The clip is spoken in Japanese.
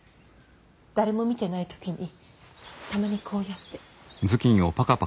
誰も見てない時にたまにこうやって。